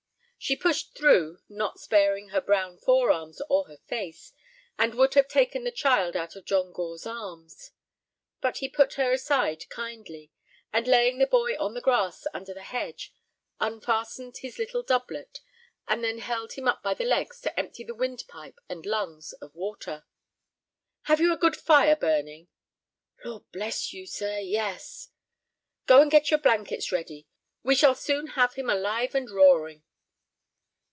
She pushed through, not sparing her brown forearms or her face, and would have taken the child out of John Gore's arms. But he put her aside kindly, and, laying the boy on the grass under the hedge, unfastened his little doublet, and then held him up by the legs to empty the windpipe and lungs of water. "Have you a good fire burning?" "Lord bless you, sir, yes." "Go and get your blankets ready. We shall soon have him alive and roaring."